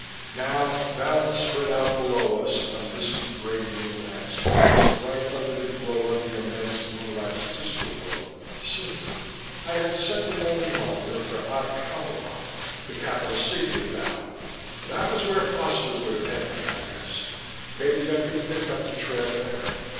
Now Vallon spread out below us, a misty grey green landscape, bright under the glow of the immense moonlike sister world, Cinte. I had set the landing monitor for Okk Hamiloth, the capital city of Vallon. That was where Foster would have headed, I guessed. Maybe I could pick up the trail there.